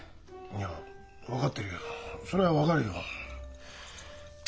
いや分かってるけどそりゃ分かるよ。